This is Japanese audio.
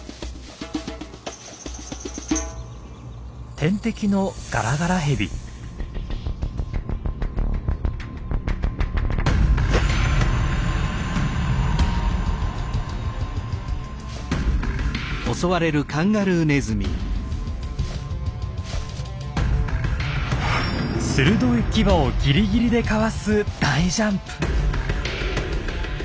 天敵の鋭い牙をギリギリでかわす大ジャンプ。